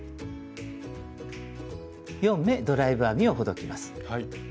４目ドライブ編みをほどきます。